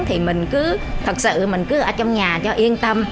thì mình cứ thật sự mình cứ ở trong nhà cho yên tâm